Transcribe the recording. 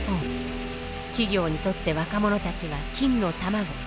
企業にとって若者たちは金の卵。